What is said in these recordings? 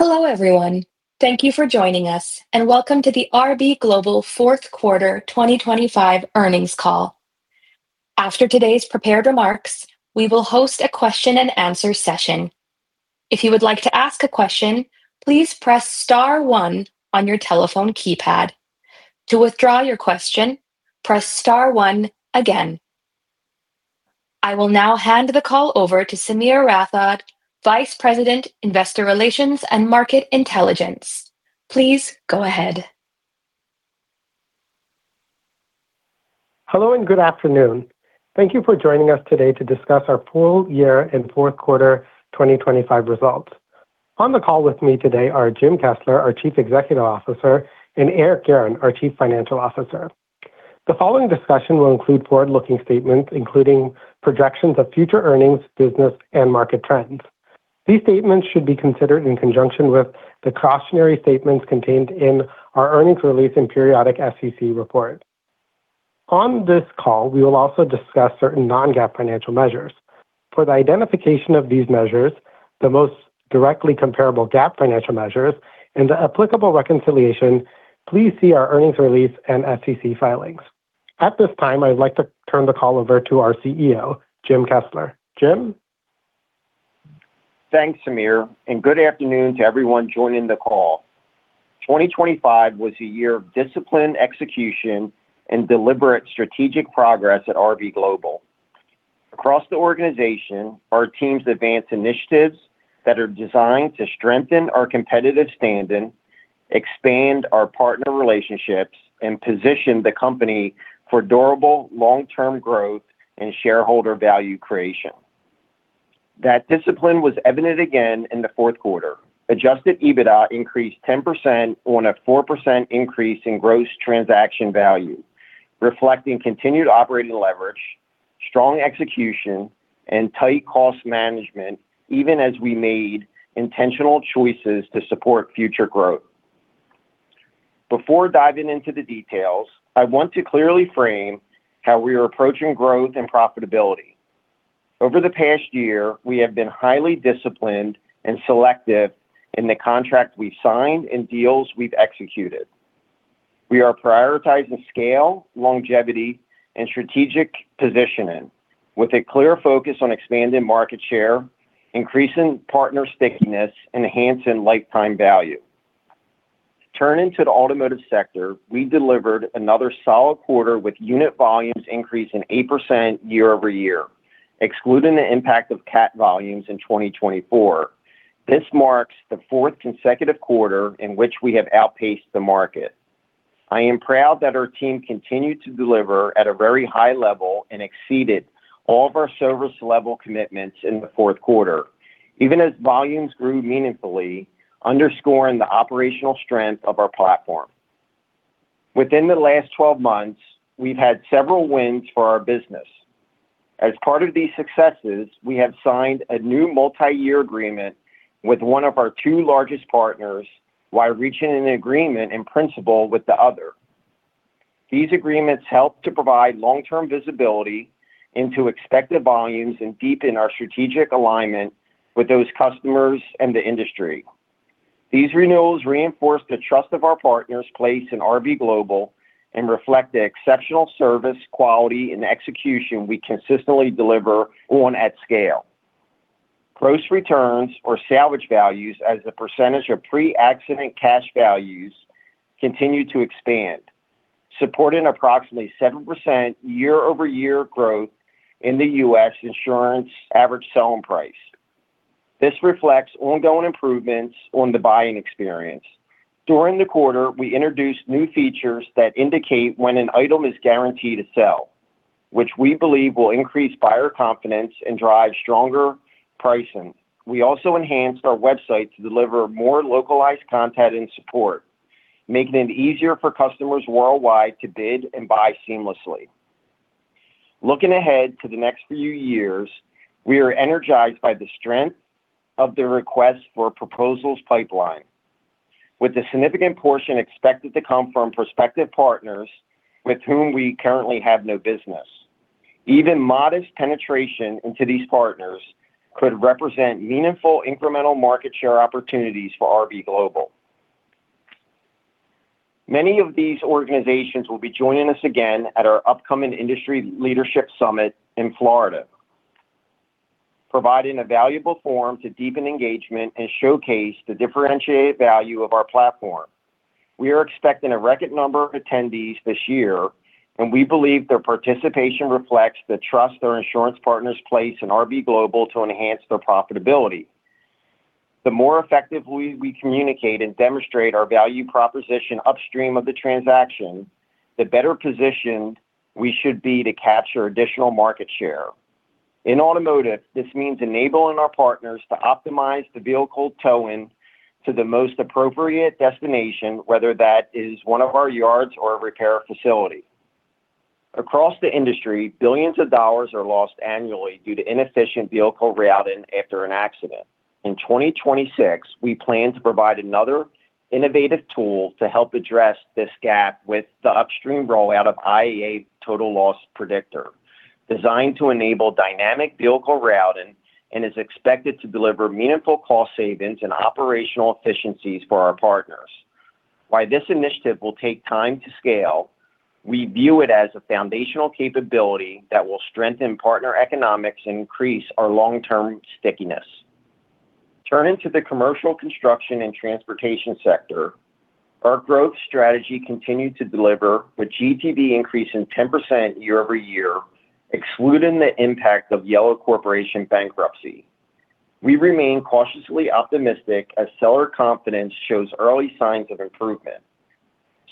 Hello, everyone. Thank you for joining us, and welcome to the RB Global Fourth Quarter 2025 Earnings Call. After today's prepared remarks, we will host a question and answer session. If you would like to ask a question, please press star one on your telephone keypad. To withdraw your question, press star one again. I will now hand the call over to Sameer Rathod, Vice President, Investor Relations and Market Intelligence. Please go ahead. Hello, and good afternoon. Thank you for joining us today to discuss our full year and fourth quarter 2025 results. On the call with me today are Jim Kessler, our Chief Executive Officer, and Eric Guerin, our Chief Financial Officer. The following discussion will include forward-looking statements, including projections of future earnings, business, and market trends. These statements should be considered in conjunction with the cautionary statements contained in our earnings release and periodic SEC report. On this call, we will also discuss certain non-GAAP financial measures. For the identification of these measures, the most directly comparable GAAP financial measures, and the applicable reconciliation, please see our earnings release and SEC filings. At this time, I'd like to turn the call over to our CEO, Jim Kessler. Jim? Thanks, Sameer, and good afternoon to everyone joining the call. 2025 was a year of disciplined execution and deliberate strategic progress at RB Global. Across the organization, our teams advanced initiatives that are designed to strengthen our competitive standing, expand our partner relationships, and position the company for durable, long-term growth and shareholder value creation. That discipline was evident again in the fourth quarter. Adjusted EBITDA increased 10% on a 4% increase in gross transaction value, reflecting continued operating leverage, strong execution, and tight cost management, even as we made intentional choices to support future growth. Before diving into the details, I want to clearly frame how we are approaching growth and profitability. Over the past year, we have been highly disciplined and selective in the contracts we've signed and deals we've executed. We are prioritizing scale, longevity, and strategic positioning with a clear focus on expanding market share, increasing partner stickiness, and enhancing lifetime value. Turning to the automotive sector, we delivered another solid quarter with unit volumes increasing 8% year-over-year, excluding the impact of CAT volumes in 2024. This marks the fourth consecutive quarter in which we have outpaced the market. I am proud that our team continued to deliver at a very high level and exceeded all of our service level commitments in the fourth quarter, even as volumes grew meaningfully, underscoring the operational strength of our platform. Within the last 12 months, we've had several wins for our business. As part of these successes, we have signed a new multi-year agreement with one of our two largest partners while reaching an agreement in principle with the other. These agreements help to provide long-term visibility into expected volumes and deepen our strategic alignment with those customers and the industry. These renewals reinforce the trust of our partners placed in RB Global and reflect the exceptional service, quality, and execution we consistently deliver on at scale. Gross returns or salvage values as a percentage of pre-accident cash values continue to expand, supporting approximately 7% year-over-year growth in the U.S. insurance average selling price. This reflects ongoing improvements on the buying experience. During the quarter, we introduced new features that indicate when an item is guaranteed to sell, which we believe will increase buyer confidence and drive stronger pricing. We also enhanced our website to deliver more localized content and support, making it easier for customers worldwide to bid and buy seamlessly. Looking ahead to the next few years, we are energized by the strength of the request for proposals pipeline, with a significant portion expected to come from prospective partners with whom we currently have no business. Even modest penetration into these partners could represent meaningful incremental market share opportunities for RB Global. Many of these organizations will be joining us again at our upcoming Industry Leadership Summit in Florida, providing a valuable forum to deepen engagement and showcase the differentiated value of our platform. We are expecting a record number of attendees this year, and we believe their participation reflects the trust our insurance partners place in RB Global to enhance their profitability. The more effectively we communicate and demonstrate our value proposition upstream of the transaction, the better positioned we should be to capture additional market share. In automotive, this means enabling our partners to optimize the vehicle towing to the most appropriate destination, whether that is one of our yards or a repair facility. Across the industry, billions of dollars are lost annually due to inefficient vehicle routing after an accident. In 2026, we plan to provide another innovative tool to help address this gap with the upstream rollout of IAA Total Loss Predictor, designed to enable dynamic vehicle routing and is expected to deliver meaningful cost savings and operational efficiencies for our partners. While this initiative will take time to scale, we view it as a foundational capability that will strengthen partner economics and increase our long-term stickiness. Turning to the commercial construction and transportation sector, our growth strategy continued to deliver, with GTV increasing 10% year-over-year, excluding the impact of Yellow Corporation bankruptcy. We remain cautiously optimistic as seller confidence shows early signs of improvement,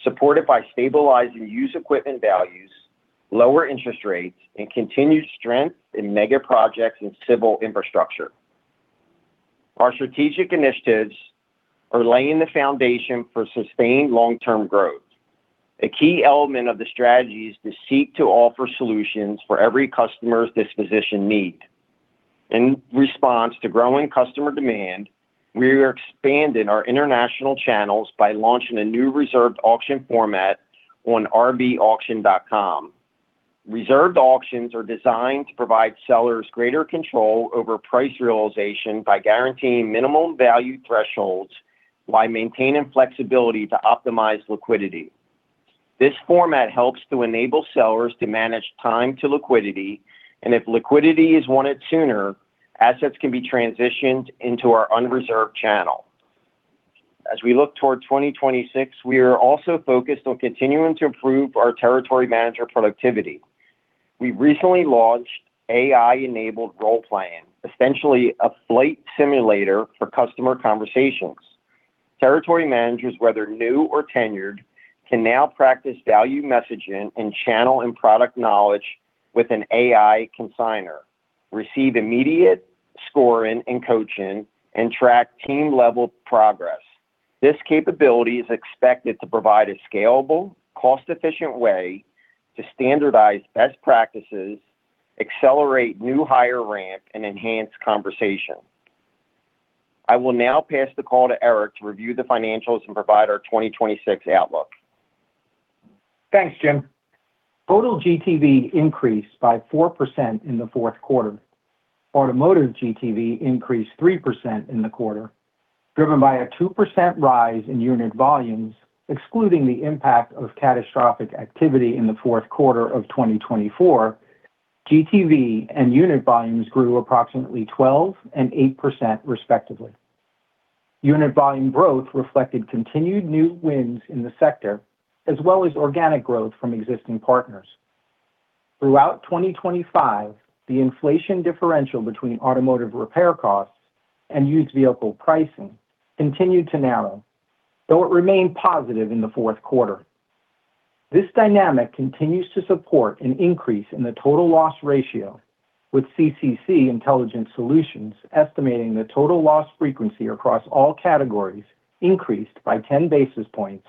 supported by stabilizing used equipment values, lower interest rates, and continued strength in mega projects and civil infrastructure. Our strategic initiatives are laying the foundation for sustained long-term growth. A key element of the strategy is to seek to offer solutions for every customer's disposition need. In response to growing customer demand, we are expanding our international channels by launching a new reserved auction format on rbauction.com. Reserved auctions are designed to provide sellers greater control over price realization by guaranteeing minimum value thresholds while maintaining flexibility to optimize liquidity. This format helps to enable sellers to manage time to liquidity, and if liquidity is wanted sooner, assets can be transitioned into our unreserved channel. As we look toward 2026, we are also focused on continuing to improve our territory manager productivity. We recently launched AI-enabled role playing, essentially a flight simulator for customer conversations. Territory managers, whether new or tenured, can now practice value messaging and channel and product knowledge with an AI consignor, receive immediate scoring and coaching, and track team-level progress. This capability is expected to provide a scalable, cost-efficient way to standardize best practices, accelerate new hire ramp, and enhance conversation. I will now pass the call to Eric to review the financials and provide our 2026 outlook. Thanks, Jim. Total GTV increased by 4% in the fourth quarter. Automotive GTV increased 3% in the quarter, driven by a 2% rise in unit volumes. Excluding the impact of catastrophic activity in the fourth quarter of 2024, GTV and unit volumes grew approximately 12% and 8%, respectively. Unit volume growth reflected continued new wins in the sector, as well as organic growth from existing partners. Throughout 2025, the inflation differential between automotive repair costs and used vehicle pricing continued to narrow, though it remained positive in the fourth quarter. This dynamic continues to support an increase in the total loss ratio, with CCC Intelligent Solutions estimating the total loss frequency across all categories increased by 10 basis points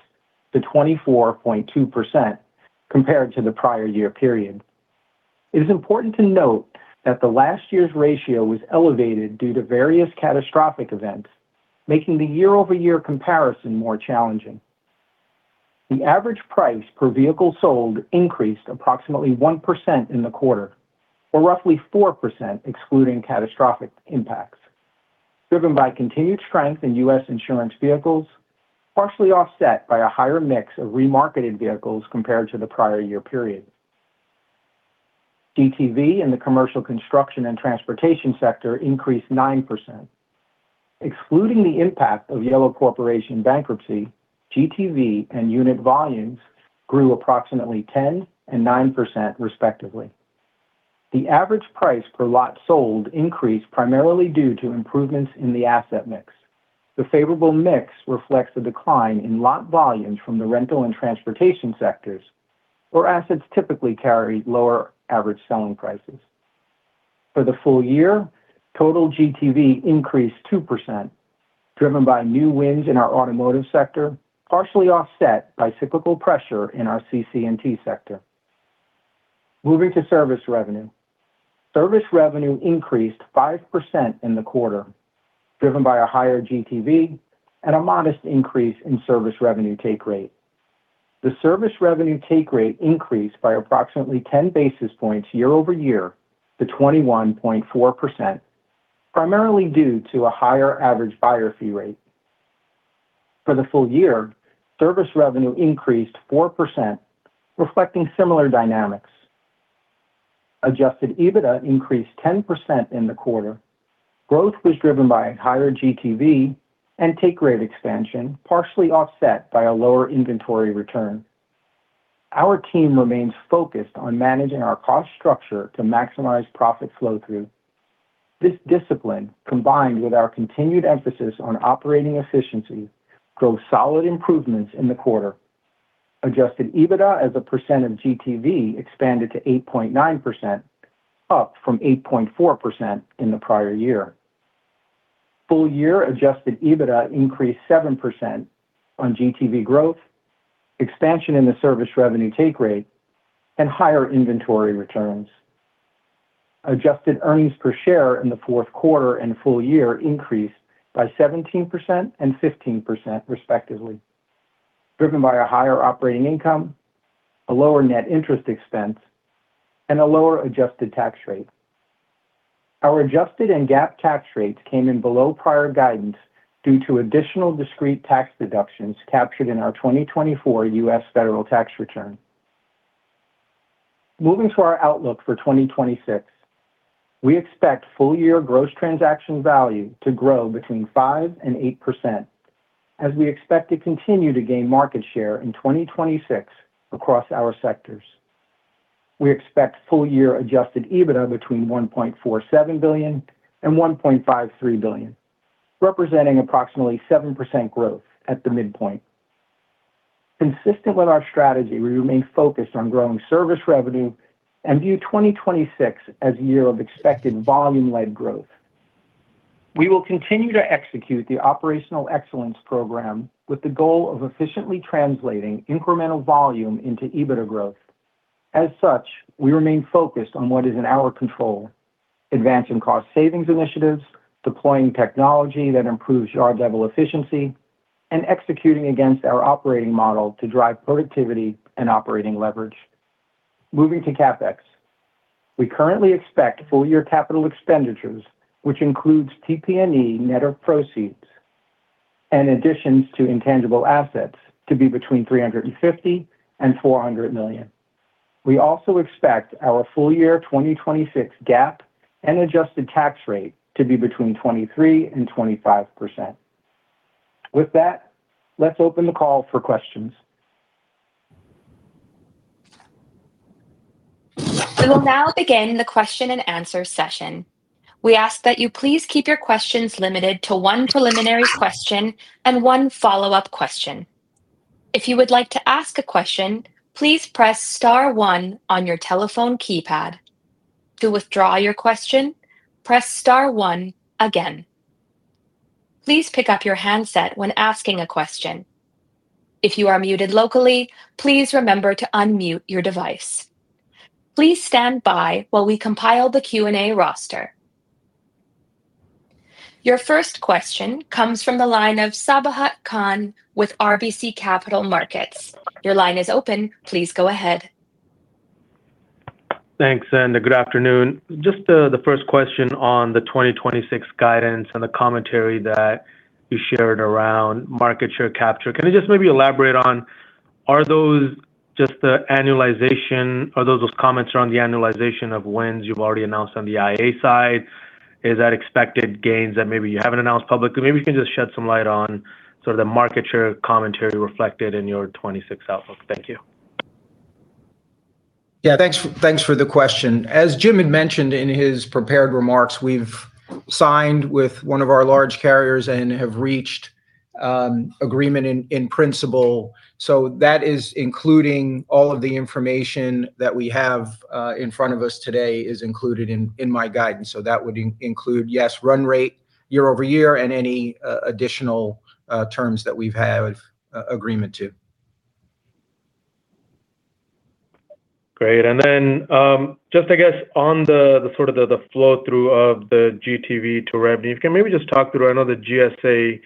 to 24.2% compared to the prior year period. It is important to note that the last year's ratio was elevated due to various catastrophic events, making the year-over-year comparison more challenging. The average price per vehicle sold increased approximately 1% in the quarter, or roughly 4%, excluding catastrophic impacts, driven by continued strength in U.S. insurance vehicles, partially offset by a higher mix of remarketed vehicles compared to the prior year period. GTV in the commercial construction and transportation sector increased 9%. Excluding the impact of Yellow Corporation bankruptcy, GTV and unit volumes grew approximately 10% and 9%, respectively. The average price per lot sold increased primarily due to improvements in the asset mix. The favorable mix reflects the decline in lot volumes from the rental and transportation sectors, where assets typically carry lower average selling prices. For the full year, total GTV increased 2%, driven by new wins in our automotive sector, partially offset by cyclical pressure in our CC&T sector. Moving to service revenue. Service revenue increased 5% in the quarter, driven by a higher GTV and a modest increase in service revenue take rate. The service revenue take rate increased by approximately 10 basis points year-over-year to 21.4%, primarily due to a higher average buyer fee rate. For the full year, service revenue increased 4%, reflecting similar dynamics. Adjusted EBITDA increased 10% in the quarter. Growth was driven by a higher GTV and take rate expansion, partially offset by a lower inventory return. Our team remains focused on managing our cost structure to maximize profit flow-through. This discipline, combined with our continued emphasis on operating efficiency, drove solid improvements in the quarter. Adjusted EBITDA as a percent of GTV expanded to 8.9%, up from 8.4% in the prior year. Full-year adjusted EBITDA increased 7% on GTV growth, expansion in the service revenue take rate, and higher inventory returns. Adjusted earnings per share in the fourth quarter and full year increased by 17% and 15% respectively, driven by a higher operating income, a lower net interest expense, and a lower adjusted tax rate. Our adjusted and GAAP tax rates came in below prior guidance due to additional discrete tax deductions captured in our 2024 U.S. federal tax return. Moving to our outlook for 2026, we expect full-year gross transaction value to grow between 5% and 8%, as we expect to continue to gain market share in 2026 across our sectors. We expect full-year adjusted EBITDA between $1.47 billion and $1.53 billion, representing approximately 7% growth at the midpoint. Consistent with our strategy, we remain focused on growing service revenue and view 2026 as a year of expected volume-led growth. We will continue to execute the Operational Excellence program with the goal of efficiently translating incremental volume into EBITDA growth. As such, we remain focused on what is in our control: advancing cost savings initiatives, deploying technology that improves yard-level efficiency, and executing against our operating model to drive productivity and operating leverage. Moving to CapEx, we currently expect full-year capital expenditures, which includes PP&E net of proceeds and additions to intangible assets, to be between $350 million-$400 million. We also expect our full-year 2026 GAAP and adjusted tax rate to be between 23%-25%. With that, let's open the call for questions. We will now begin the question-and-answer session. We ask that you please keep your questions limited to one preliminary question and one follow-up question. If you would like to ask a question, please press star one on your telephone keypad. To withdraw your question, press star one again. Please pick up your handset when asking a question. If you are muted locally, please remember to unmute your device. Please stand by while we compile the Q&A roster. Your first question comes from the line of Sabahat Khan with RBC Capital Markets. Your line is open. Please go ahead. Thanks, and good afternoon. Just the first question on the 2026 guidance and the commentary that you shared around market share capture. Can you just maybe elaborate on, are those just the annualization—are those, those comments around the annualization of wins you've already announced on the IAA side? Is that expected gains that maybe you haven't announced publicly? Maybe you can just shed some light on sort of the market share commentary reflected in your 2026 outlook. Thank you. Yeah, thanks for the question. As Jim had mentioned in his prepared remarks, we've signed with one of our large carriers and have reached agreement in principle. So that is including all of the information that we have in front of us today is included in my guidance. So that would include, yes, run rate year-over-year and any additional terms that we've had agreement to. Great. And then, just I guess on the sort of flow-through of the GTV to revenue, if you can maybe just talk through the GSA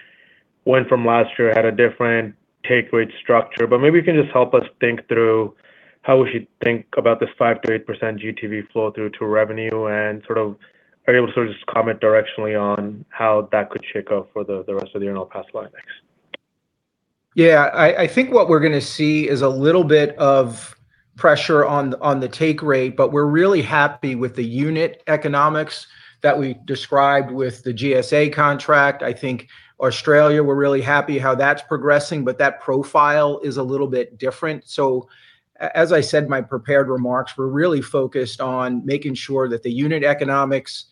win from last year had a different take rate structure, but maybe you can just help us think through how we should think about this 5%-8% GTV flow-through to revenue, and sort of are you able to sort of just comment directionally on how that could shake out for the rest of the year and I'll pass the line? Thanks. Yeah, I think what we're gonna see is a little bit of pressure on the take rate, but we're really happy with the unit economics that we described with the GSA contract. I think Australia, we're really happy how that's progressing, but that profile is a little bit different. So as I said in my prepared remarks, we're really focused on making sure that the unit economics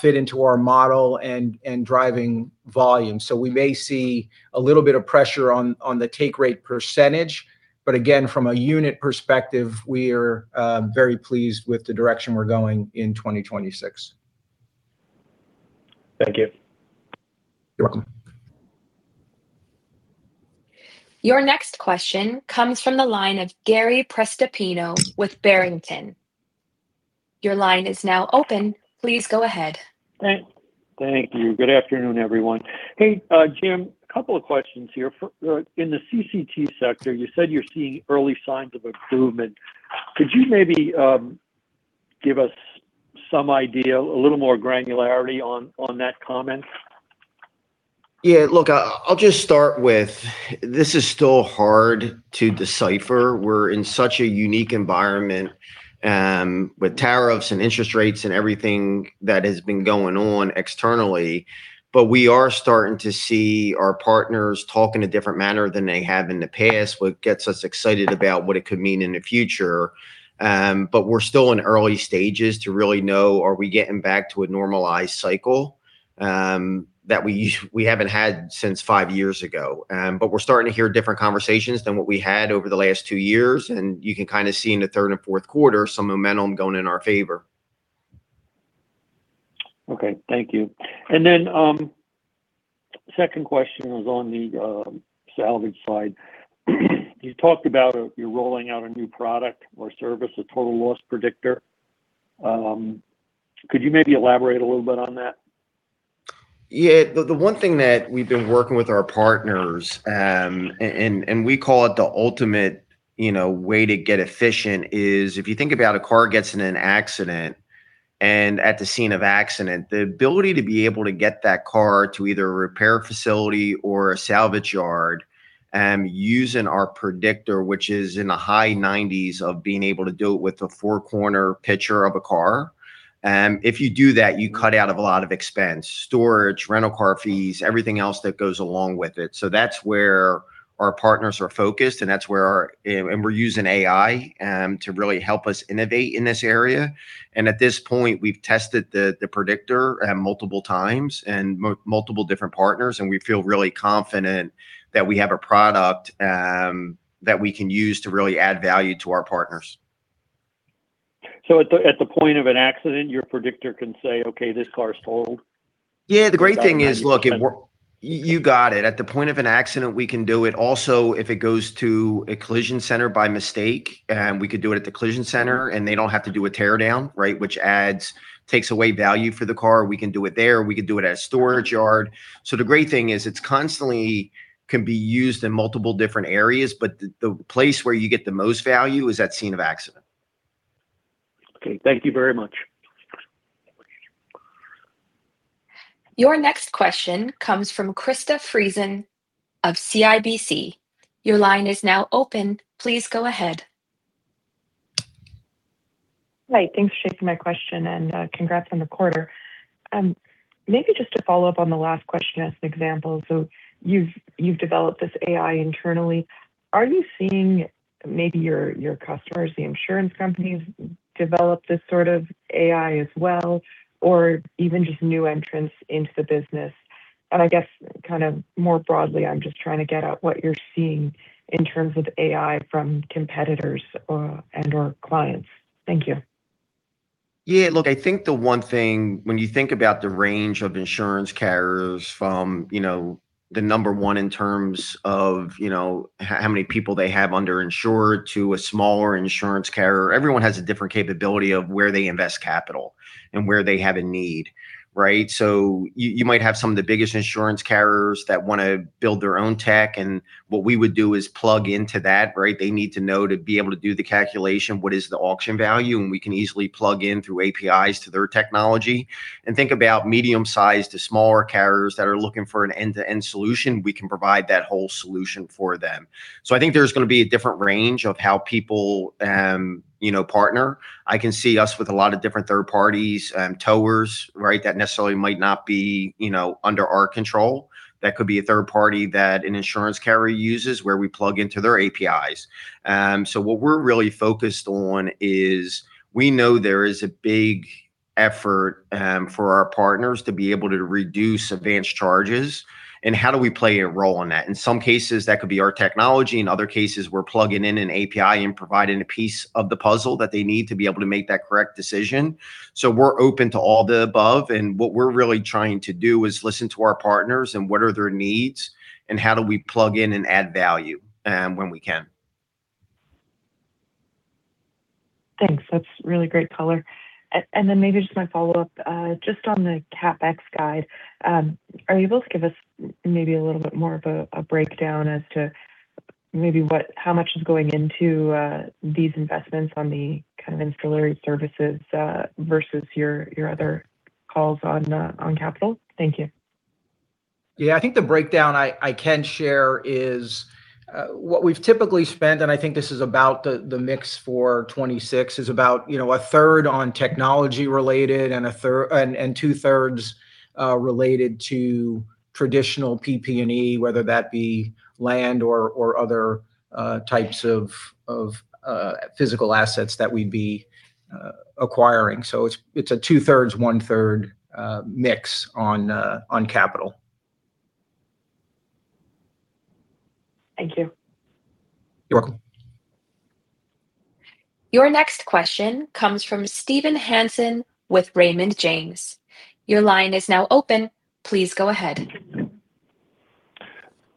fit into our model and driving volume. So we may see a little bit of pressure on the take rate percentage, but again, from a unit perspective, we are very pleased with the direction we're going in 2026. Thank you. You're welcome. Your next question comes from the line of Gary Prestopino with Barrington. Your line is now open. Please go ahead. Thank you. Good afternoon, everyone. Hey, Jim, a couple of questions here. In the CC&T sector, you said you're seeing early signs of improvement. Could you maybe give us some idea, a little more granularity on that comment? Yeah, look, I, I'll just start with, this is still hard to decipher. We're in such a unique environment with tariffs and interest rates and everything that has been going on externally, but we are starting to see our partners talk in a different manner than they have in the past, what gets us excited about what it could mean in the future. But we're still in early stages to really know, are we getting back to a normalized cycle that we haven't had since five years ago. But we're starting to hear different conversations than what we had over the last two years, and you can kind of see in the third and fourth quarter some momentum going in our favor. Okay, thank you. And then, second question was on the salvage side. You talked about, you're rolling out a new product or service, a total loss predictor. Could you maybe elaborate a little bit on that? Yeah. The one thing that we've been working with our partners, and we call it the ultimate, you know, way to get efficient, is if you think about a car gets in an accident, and at the scene of accident, the ability to be able to get that car to either a repair facility or a salvage yard, using our predictor, which is in the high 90s of being able to do it with a four-corner picture of a car. And if you do that, you cut out of a lot of expense: storage, rental car fees, everything else that goes along with it. So that's where our partners are focused, and that's where we're using AI to really help us innovate in this area. At this point, we've tested the predictor multiple times and multiple different partners, and we feel really confident that we have a product that we can use to really add value to our partners. So at the point of an accident, your predictor can say, "Okay, this car is totaled? Yeah, the great thing is- About 90%. You got it. At the point of an accident, we can do it. Also, if it goes to a collision center by mistake, we could do it at the collision center, and they don't have to do a tear down, right? Which takes away value for the car. We can do it there. We could do it at a storage yard. So the great thing is, it's constantly can be used in multiple different areas, but the place where you get the most value is at scene of accident. Okay, thank you very much. Your next question comes from Krista Friesen of CIBC. Your line is now open. Please go ahead. Hi, thanks for taking my question, and congrats on the quarter. Maybe just to follow up on the last question as an example. So you've, you've developed this AI internally. Are you seeing maybe your, your customers, the insurance companies, develop this sort of AI as well, or even just new entrants into the business? And I guess kind of more broadly, I'm just trying to get at what you're seeing in terms of AI from competitors or and/or clients. Thank you. Yeah, look, I think the one thing when you think about the range of insurance carriers from, you know, the number one in terms of, you know, how many people they have under insured to a smaller insurance carrier, everyone has a different capability of where they invest capital and where they have a need, right? So you, you might have some of the biggest insurance carriers that wanna build their own tech, and what we would do is plug into that, right? They need to know to be able to do the calculation, what is the auction value, and we can easily plug in through APIs to their technology. And think about medium-sized to smaller carriers that are looking for an end-to-end solution, we can provide that whole solution for them. So I think there's gonna be a different range of how people, you know, partner. I can see us with a lot of different third parties, towers, right? That necessarily might not be, you know, under our control. That could be a third party that an insurance carrier uses, where we plug into their APIs. So what we're really focused on is, we know there is a big effort, for our partners to be able to reduce advanced charges, and how do we play a role in that? In some cases, that could be our technology. In other cases, we're plugging in an API and providing a piece of the puzzle that they need to be able to make that correct decision. So we're open to all the above, and what we're really trying to do is listen to our partners, and what are their needs, and how do we plug in and add value, when we can. Thanks. That's really great color. And then maybe just my follow-up, just on the CapEx guide. Are you able to give us maybe a little bit more of a breakdown as to maybe how much is going into these investments on the kind of ancillary services versus your, your other calls on on capital? Thank you. Yeah, I think the breakdown I can share is what we've typically spent, and I think this is about the mix for 2026, is about, you know, 1/3 on technology-related and 2/3 related to traditional PP&E, whether that be land or other types of physical assets that we'd be acquiring. So it's a 2/3, 1/3 mix on capital. Thank you. You're welcome. Your next question comes from Steven Hansen with Raymond James. Your line is now open. Please go ahead.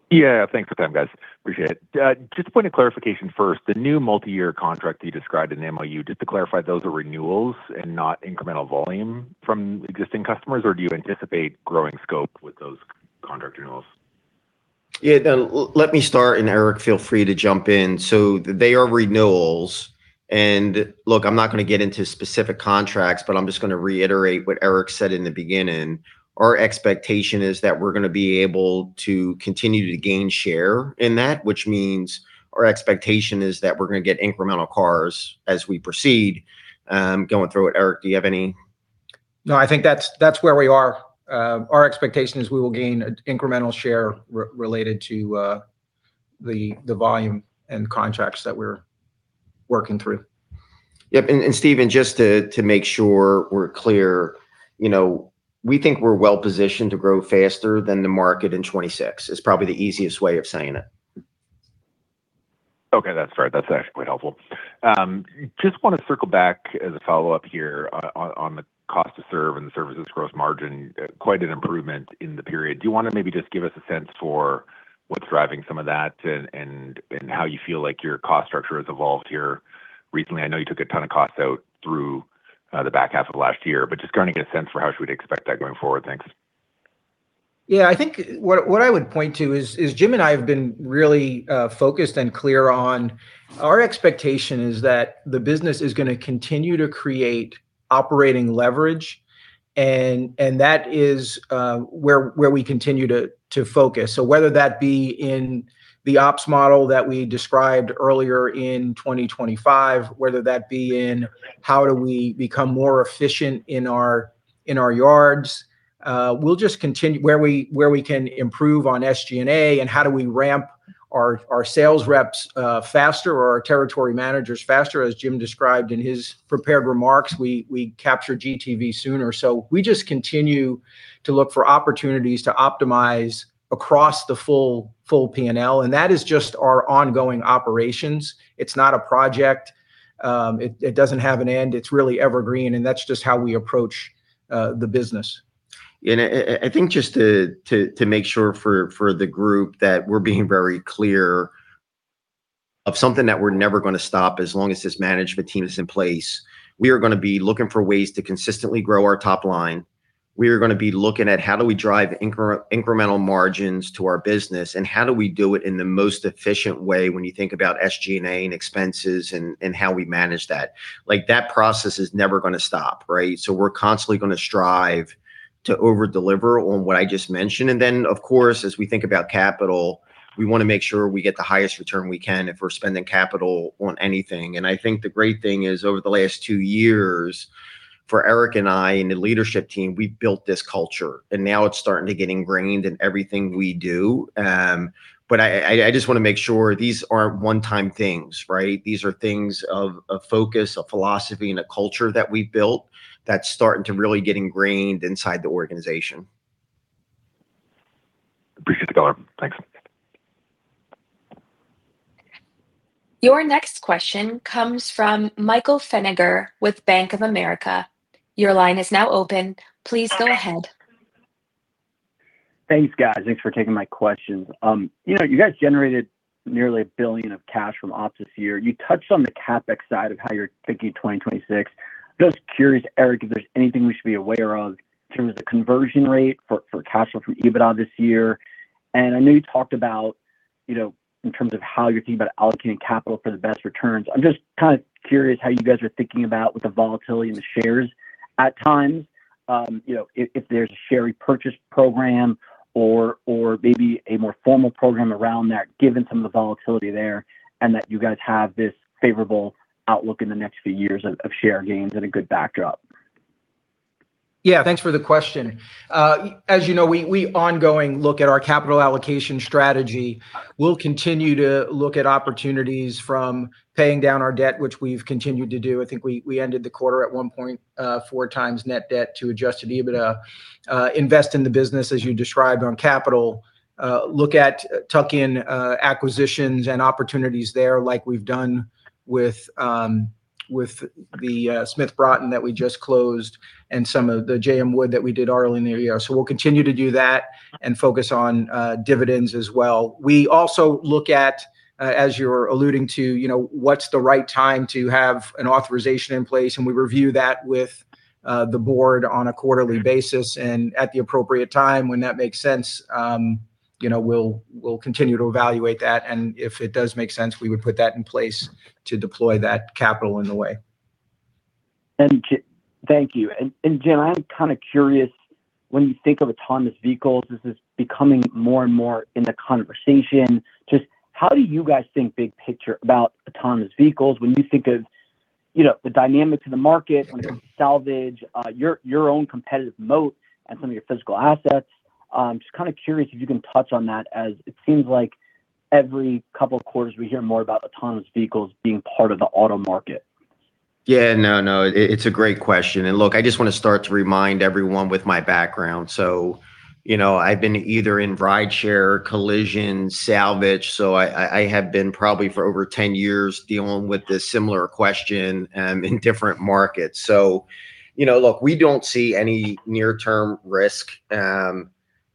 Yeah, thanks for the time, guys. Appreciate it. Just a point of clarification first. The new multiyear contract you described in the MOU, just to clarify, those are renewals and not incremental volume from existing customers, or do you anticipate growing scope with those contract renewals? Yeah, then let me start, and Eric, feel free to jump in. So they are renewals. And look, I'm not gonna get into specific contracts, but I'm just gonna reiterate what Eric said in the beginning. Our expectation is that we're gonna be able to continue to gain share in that, which means our expectation is that we're gonna get incremental cars as we proceed. Going through it, Eric, do you have any...? No, I think that's, that's where we are. Our expectation is we will gain incremental share related to the volume and contracts that we're working through. Yep, and Steven, just to make sure we're clear, you know, we think we're well-positioned to grow faster than the market in 2026, is probably the easiest way of saying it. Okay, that's fair. That's actually quite helpful. Just wanna circle back as a follow-up here on the cost to serve and the services gross margin, quite an improvement in the period. Do you wanna maybe just give us a sense for what's driving some of that and how you feel like your cost structure has evolved here recently? I know you took a ton of costs out through the back half of last year, but just kinda get a sense for how we should expect that going forward. Thanks. Yeah, I think what I would point to is Jim and I have been really focused and clear on our expectation is that the business is gonna continue to create operating leverage, and that is where we continue to focus. So whether that be in the ops model that we described earlier in 2025, whether that be in how do we become more efficient in our yards, we'll just continue where we can improve on SG&A and how do we ramp our sales reps faster or our territory managers faster. As Jim described in his prepared remarks, we capture GTV sooner. So we just continue to look for opportunities to optimize across the full P&L, and that is just our ongoing operations. It's not a project. It doesn't have an end. It's really evergreen, and that's just how we approach the business. I think just to make sure for the group that we're being very clear of something that we're never gonna stop as long as this management team is in place. We are gonna be looking for ways to consistently grow our top line. We are gonna be looking at how do we drive incremental margins to our business, and how do we do it in the most efficient way when you think about SG&A, and expenses, and how we manage that? Like, that process is never gonna stop, right? So we're constantly gonna strive to over-deliver on what I just mentioned. And then, of course, as we think about capital, we wanna make sure we get the highest return we can if we're spending capital on anything. I think the great thing is, over the last two years, for Eric and I and the leadership team, we built this culture, and now it's starting to get ingrained in everything we do. But I just wanna make sure these aren't one-time things, right? These are things of a focus, a philosophy, and a culture that we built that's starting to really get ingrained inside the organization. Appreciate the color. Thanks. Your next question comes from Michael Feniger with Bank of America. Your line is now open. Please go ahead. Thanks, guys. Thanks for taking my questions. You know, you guys generated nearly $1 billion of cash from ops this year. You touched on the CapEx side of how you're thinking 2026. Just curious, Eric, if there's anything we should be aware of in terms of conversion rate for cash flow from EBITDA this year. And I know you talked about, you know, in terms of how you're thinking about allocating capital for the best returns. I'm just kind of curious how you guys are thinking about with the volatility in the shares at times. You know, if there's a share repurchase program or maybe a more formal program around that, given some of the volatility there, and that you guys have this favorable outlook in the next few years of share gains and a good backdrop. Yeah, thanks for the question. As you know, we ongoing look at our capital allocation strategy. We'll continue to look at opportunities from paying down our debt, which we've continued to do. I think we ended the quarter at 1.4x net debt to adjusted EBITDA, invest in the business as you described on capital. Look at tuck-in acquisitions and opportunities there, like we've done with the Smith Broughton that we just closed and some of the J.M. Wood that we did early in the year. So we'll continue to do that and focus on dividends as well. We also look at, as you're alluding to, you know, what's the right time to have an authorization in place, and we review that with the board on a quarterly basis. At the appropriate time, when that makes sense, you know, we'll continue to evaluate that, and if it does make sense, we would put that in place to deploy that capital in a way. Jim, I'm kind of curious, when you think of autonomous vehicles, this is becoming more and more in the conversation. Just how do you guys think big picture about autonomous vehicles when you think of, you know, the dynamics of the market- Mm-hmm When it comes to salvage, your, your own competitive moat and some of your physical assets? I'm just kind of curious if you can touch on that, as it seems like every couple of quarters we hear more about autonomous vehicles being part of the auto market. Yeah. No, no, it, it's a great question. And look, I just want to start to remind everyone with my background. So, you know, I've been either in rideshare, collision, salvage, so I have been probably for over 10 years dealing with this similar question in different markets. So, you know, look, we don't see any near-term risk.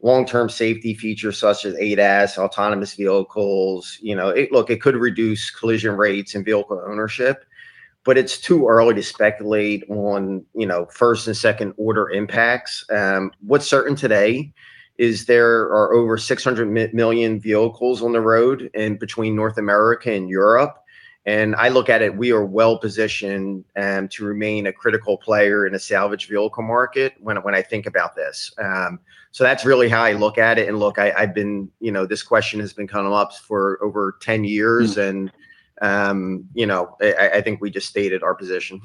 Long-term safety features, such as ADAS, autonomous vehicles, you know. Look, it could reduce collision rates and vehicle ownership, but it's too early to speculate on, you know, first and second-order impacts. What's certain today is there are over 600 million vehicles on the road and between North America and Europe. And I look at it, we are well-positioned to remain a critical player in a salvaged vehicle market when I think about this. So that's really how I look at it. And look, I've been... You know, this question has been coming up for over 10 years- Mm-hmm And, you know, I think we just stated our position.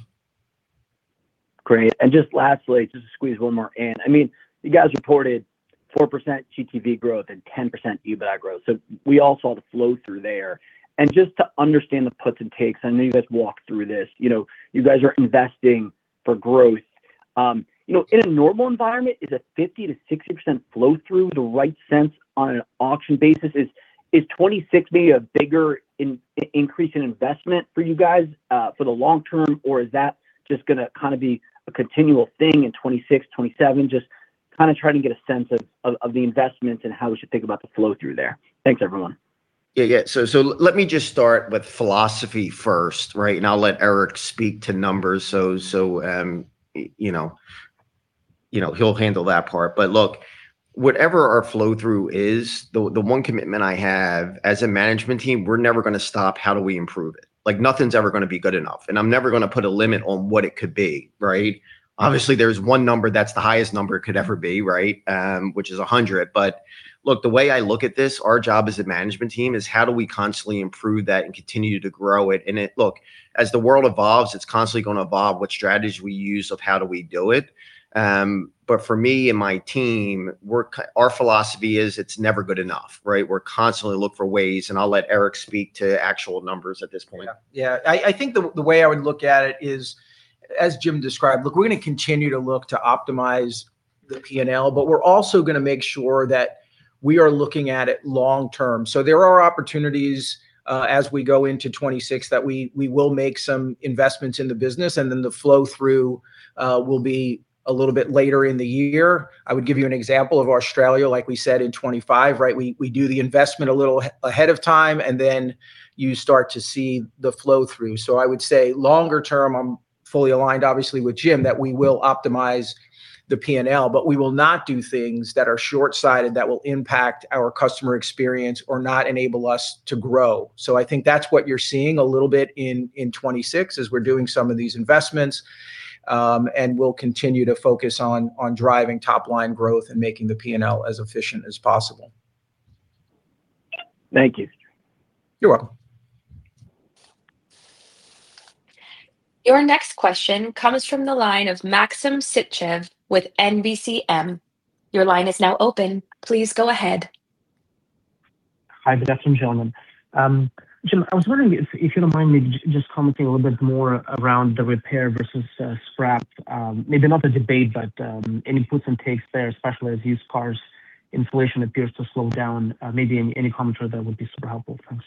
Great. Just lastly, just to squeeze one more in. I mean, you guys reported 4% GTV growth and 10% EBITDA growth, so we all saw the flow through there. Just to understand the puts and takes, I know you guys walked through this. You know, you guys are investing for growth. You know, in a normal environment, is a 50%-60% flow-through the right sense on an auction basis? Is 2026 be a bigger increase in investment for you guys for the long term, or is that just gonna kind of be a continual thing in 2026, 2027? Just kind of trying to get a sense of the investments and how we should think about the flow-through there. Thanks, everyone. Yeah, yeah. So let me just start with philosophy first, right? And I'll let Eric speak to numbers. So, you know, he'll handle that part. But look, whatever our flow-through is, the one commitment I have as a management team, we're never gonna stop how do we improve it. Like, nothing's ever gonna be good enough, and I'm never gonna put a limit on what it could be, right? Obviously, there's one number that's the highest number it could ever be, right? Which is 100. But look, the way I look at this, our job as a management team is how do we constantly improve that and continue to grow it. And it, look, as the world evolves, it's constantly gonna evolve what strategies we use of how do we do it. But for me and my team, our philosophy is, it's never good enough, right? We're constantly look for ways, and I'll let Eric speak to actual numbers at this point. Yeah. Yeah, I think the way I would look at it is, as Jim described, look, we're gonna continue to look to optimize the P&L, but we're also gonna make sure that we are looking at it long term. So there are opportunities, as we go into 2026, that we will make some investments in the business, and then the flow-through will be a little bit later in the year. I would give you an example of Australia, like we said, in 2025, right? We do the investment a little ahead of time, and then you start to see the flow-through. So I would say longer term, I'm fully aligned, obviously, with Jim, that we will optimize the P&L, but we will not do things that are short-sighted, that will impact our customer experience or not enable us to grow. So I think that's what you're seeing a little bit in 2026, as we're doing some of these investments. We'll continue to focus on driving top-line growth and making the P&L as efficient as possible. Thank you. You're welcome. Your next question comes from the line of Maxim Sytchev with NBF. Your line is now open. Please go ahead. Hi, good afternoon, gentlemen. Jim, I was wondering if you don't mind me just commenting a little bit more around the repair versus scrap. Maybe not the debate, but any puts and takes there, especially as used cars inflation appears to slow down. Maybe any commentary there would be super helpful. Thanks.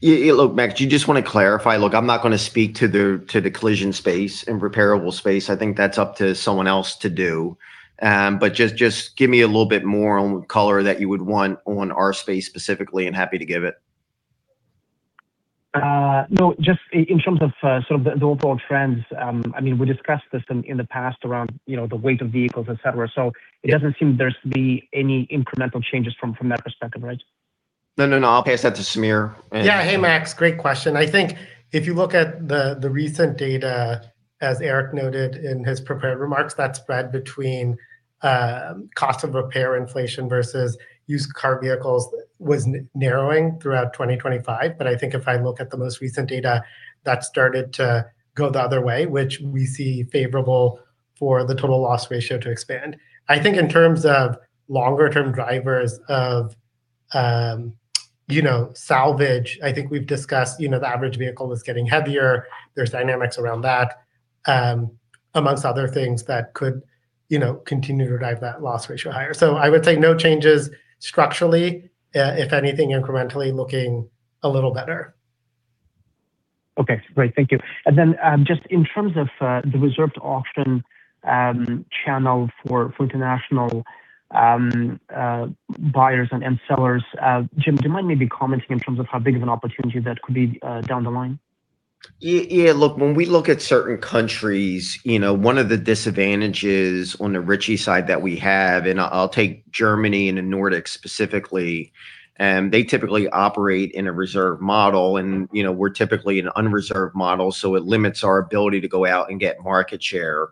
Yeah, yeah, look, Max, do you just wanna clarify? Look, I'm not gonna speak to the collision space and repairable space. I think that's up to someone else to do. But just give me a little bit more on color that you would want on our space specifically, I'm happy to give it. No, just in terms of sort of the overall trends, I mean, we discussed this in the past around, you know, the weight of vehicles, et cetera. Yeah. So it doesn't seem there's been any incremental changes from that perspective, right? No, no, no. I'll pass that to Sameer. Yeah. Hey, Max, great question. I think if you look at the recent data, as Eric noted in his prepared remarks, that spread between cost of repair inflation versus used car vehicles was narrowing throughout 2025. But I think if I look at the most recent data, that started to go the other way, which we see favorable for the total loss ratio to expand. I think in terms of longer-term drivers of salvage, I think we've discussed the average vehicle is getting heavier. There's dynamics around that, amongst other things that could continue to drive that loss ratio higher. So I would say no changes structurally, if anything, incrementally looking a little better. Okay, great. Thank you. And then, just in terms of the reserved auction channel for international buyers and sellers, Jim, do you mind maybe commenting in terms of how big of an opportunity that could be down the line? Yeah, look, when we look at certain countries, you know, one of the disadvantages on the Ritchie side that we have, and I'll take Germany and the Nordics specifically, they typically operate in a reserved model. And, you know, we're typically an unreserved model, so it limits our ability to go out and get market share.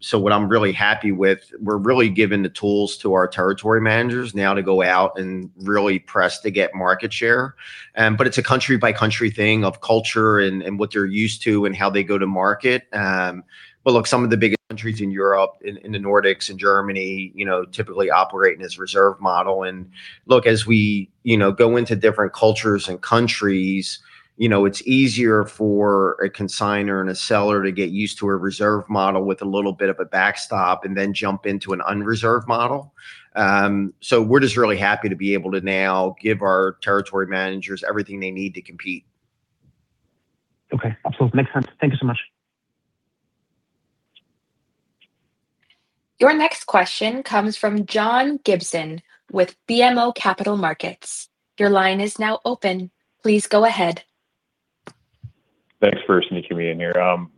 So what I'm really happy with, we're really giving the tools to our territory managers now to go out and really press to get market share. But it's a country-by-country thing of culture and what they're used to and how they go to market. But look, some of the biggest countries in Europe, in the Nordics and Germany, you know, typically operate in this reserved model. Look, as we, you know, go into different cultures and countries, you know, it's easier for a consignor and a seller to get used to a reserve model with a little bit of a backstop and then jump into an unreserved model. So, we're just really happy to be able to now give our territory managers everything they need to compete. Okay, absolutely. Makes sense. Thank you so much. Your next question comes from John Gibson with BMO Capital Markets. Your line is now open. Please go ahead. Thanks for sneaking me in here.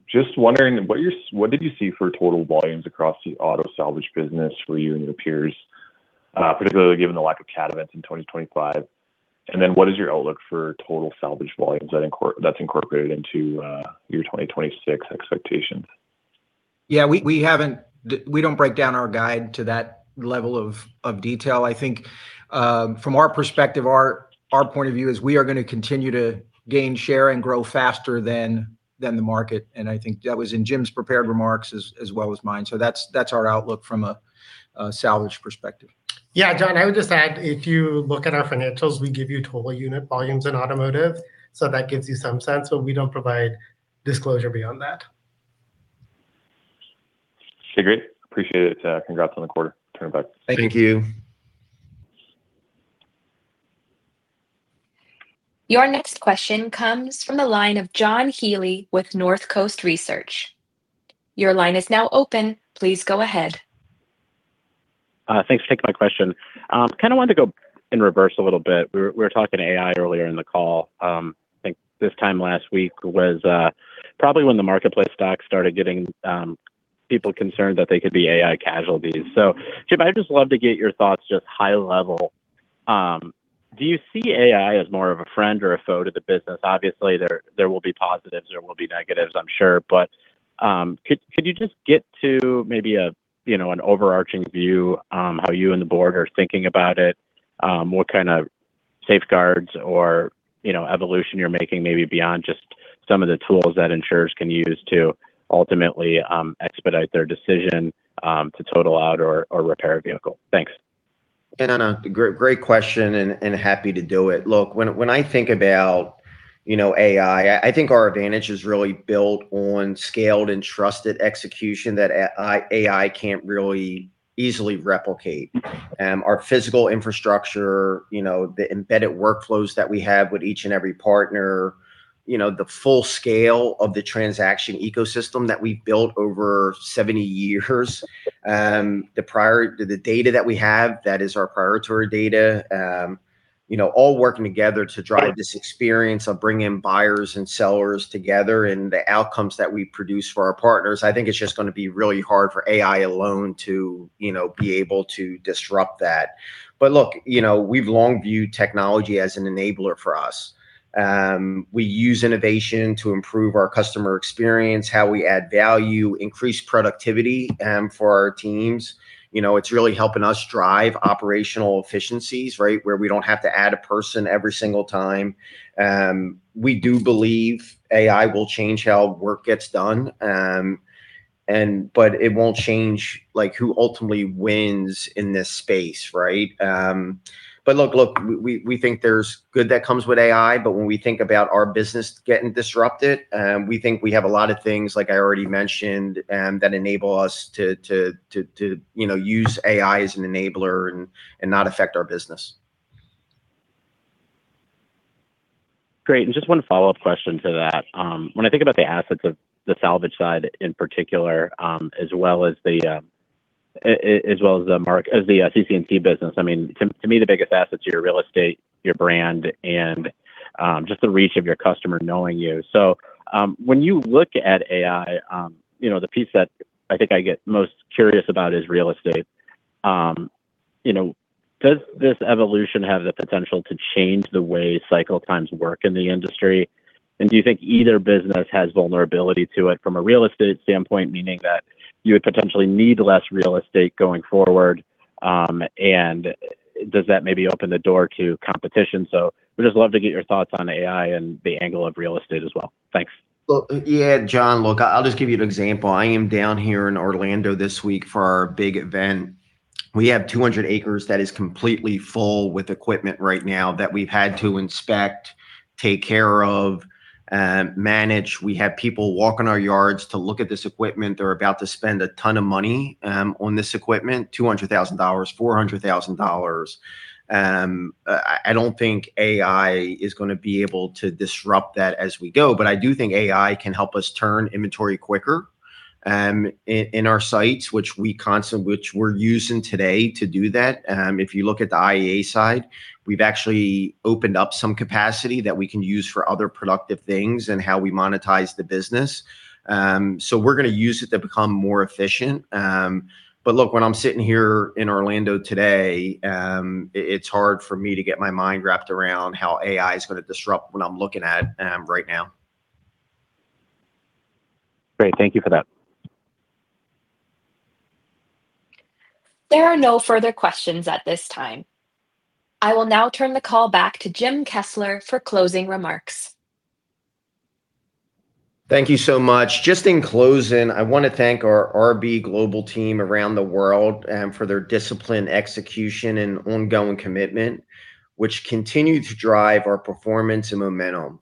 Just wondering, what did you see for total volumes across the auto salvage business for you and your peers, particularly given the lack of cat events in 2025? And then what is your outlook for total salvage volumes that's incorporated into your 2026 expectations? Yeah, we haven't. We don't break down our guide to that level of detail. I think, from our perspective, our point of view is we are gonna continue to gain share and grow faster than the market, and I think that was in Jim's prepared remarks as well as mine. So that's our outlook from a salvage perspective. Yeah, John, I would just add, if you look at our financials, we give you total unit volumes in automotive, so that gives you some sense, but we don't provide disclosure beyond that. Okay, great. Appreciate it. Congrats on the quarter. Turn it back. Thank you. Your next question comes from the line of John Healy with Northcoast Research. Your line is now open, please go ahead. Thanks for taking my question. Kind of wanted to go in reverse a little bit. We were, we were talking AI earlier in the call. I think this time last week was, probably when the marketplace stocks started getting, people concerned that they could be AI casualties. So Jim, I'd just love to get your thoughts just high level. Do you see AI as more of a friend or a foe to the business? Obviously, there, there will be positives, there will be negatives, I'm sure. But, could, could you just get to maybe a, you know, an overarching view, how you and the board are thinking about it? What kind of safeguards or, you know, evolution you're making maybe beyond just some of the tools that insurers can use to ultimately expedite their decision to total out or repair a vehicle? Thanks. Yeah, no, great, great question, and happy to do it. Look, when I think about, you know, AI, I think our advantage is really built on scaled and trusted execution that AI can't really easily replicate. Our physical infrastructure, you know, the embedded workflows that we have with each and every partner, you know, the full scale of the transaction ecosystem that we've built over 70 years, the data that we have, that is our proprietary data, you know, all working together to drive this experience of bringing buyers and sellers together and the outcomes that we produce for our partners. I think it's just gonna be really hard for AI alone to, you know, be able to disrupt that. But look, you know, we've long viewed technology as an enabler for us. We use innovation to improve our customer experience, how we add value, increase productivity, for our teams. You know, it's really helping us drive operational efficiencies, right? Where we don't have to add a person every single time. We do believe AI will change how work gets done, and but it won't change, like, who ultimately wins in this space, right? But look, we think there's good that comes with AI, but when we think about our business getting disrupted, we think we have a lot of things, like I already mentioned, that enable us to, you know, use AI as an enabler and not affect our business. Great. And just one follow-up question to that. When I think about the assets of the salvage side in particular, as well as the market, as the CC&T business, I mean, to me, the biggest assets are your real estate, your brand, and just the reach of your customer knowing you. So, when you look at AI, you know, the piece that I think I get most curious about is real estate. You know, does this evolution have the potential to change the way cycle times work in the industry? And do you think either business has vulnerability to it from a real estate standpoint, meaning that you would potentially need less real estate going forward? And does that maybe open the door to competition? We'd just love to get your thoughts on AI and the angle of real estate as well. Thanks. Well, yeah, John, look, I'll just give you an example. I am down here in Orlando this week for our big event. We have 200 acres that is completely full with equipment right now that we've had to inspect, take care of, and manage. We have people walking our yards to look at this equipment. They're about to spend a ton of money on this equipment, $200,000, $400,000. I don't think AI is gonna be able to disrupt that as we go, but I do think AI can help us turn inventory quicker in our sites, which we're using today to do that. If you look at the IAA side, we've actually opened up some capacity that we can use for other productive things and how we monetize the business. So we're gonna use it to become more efficient. But look, when I'm sitting here in Orlando today, it's hard for me to get my mind wrapped around how AI is gonna disrupt what I'm looking at right now. Great, thank you for that. There are no further questions at this time. I will now turn the call back to Jim Kessler for closing remarks. Thank you so much. Just in closing, I want to thank our RB Global team around the world, for their disciplined execution and ongoing commitment, which continue to drive our performance and momentum.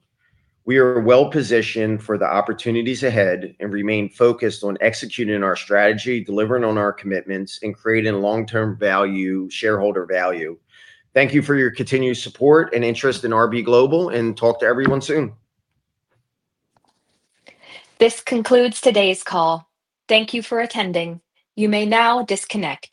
We are well positioned for the opportunities ahead and remain focused on executing our strategy, delivering on our commitments, and creating long-term value, shareholder value. Thank you for your continued support and interest in RB Global, and talk to everyone soon. This concludes today's call. Thank you for attending. You may now disconnect.